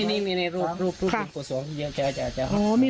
นี่มีในรูป